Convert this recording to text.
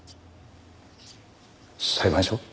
裁判所？